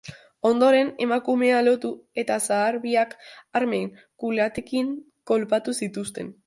Ondoren, emakumea lotu eta zahar biak armen kulatekin kolpatu zituzten.